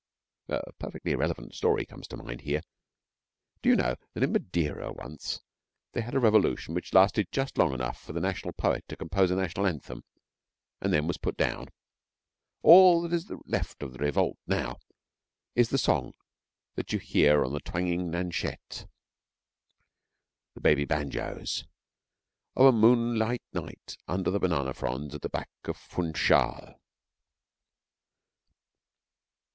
[A perfectly irrelevant story comes to mind here. Do you know that in Madeira once they had a revolution which lasted just long enough for the national poet to compose a national anthem, and then was put down? All that is left of the revolt now is the song that you hear on the twangling nachettes, the baby banjoes, of a moonlight night under the banana fronds at the back of Funchal.